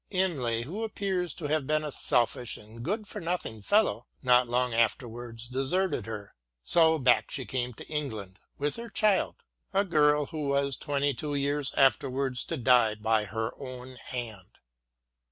Imlay, who appears to have been a selfish and good for nothing fellow, not long afterwards deserted her. So back she came to England, with her child, a girl who was twenty two years afterwards to die by her own hand.